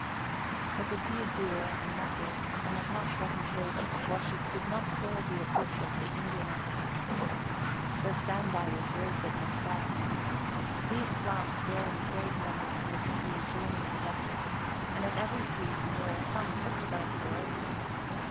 But a few deer and mussels and a half dozen hills of squashes could not fill the abyss of the Indian appetite. The stand by was roasted mescal. These plants grow in great numbers in the country adjoining the desert, and at every season there are some just right for roasting.